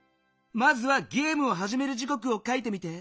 まずはゲームをはじめる時こくを書いてみて。